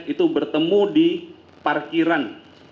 itu bertemu di parkiran